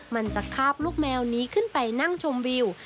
มันจะคาบลูกแมวนี้ขึ้นไปนั่งชมวิว